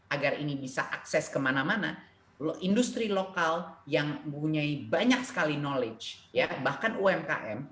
agar ini bisa akses kemana mana loh industri lokal yang punya banyak sekali knowledge bahkan umkm